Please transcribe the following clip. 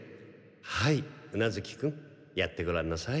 はい宇奈月君やってごらんなさい。